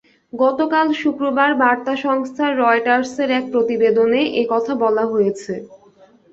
গতকাল শুক্রবার বার্তা সংস্থা রয়টার্সের এক প্রতিবেদনে এ কথা বলা হয়েছে।